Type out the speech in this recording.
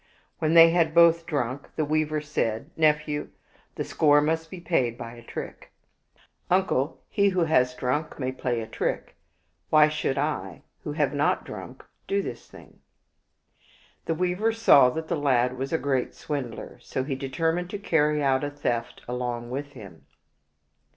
When they had both drunk, the weaver said, " Nephew, the score must be paid by a trick." " Uncle, he who has drunk may play a trick ; why should I, who have not drunk, do this thing?" The weaver saw that the lad was a great swindler, so he determined to carry out a theft along with him.